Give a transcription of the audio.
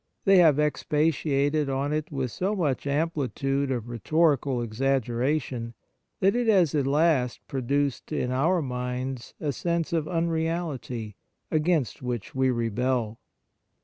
They have expatiated on it with so much ampli tude of rhetorical exaggeration, that it has at last produced in our minds a sense of unreality, against which we rebel.